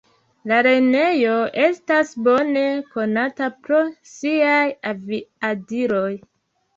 La lernejo estas bone konata pro siaj aviadiloj.